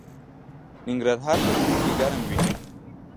ننګرهار په ژمي کې ګرم وي